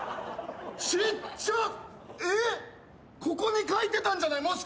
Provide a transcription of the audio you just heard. ここに書いてたんじゃない？